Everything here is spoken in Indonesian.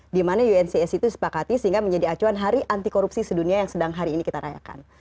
di mana uncac itu disepakati sehingga menjadi acuan hari anti korupsi sedunia yang sedang hari ini kita rayakan